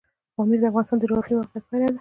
پامیر د افغانستان د جغرافیایي موقیعت پایله ده.